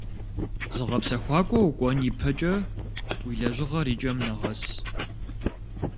Зыгъэпсэхуакӏуэ укӏуэн и пэкӏэ, уи лэжьыгъэр и кӏэм нэгъэс.